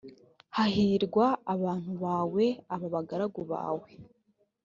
hahirwa abantu bawe aba bagaragu bawe